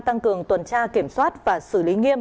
tăng cường tuần tra kiểm soát và xử lý nghiêm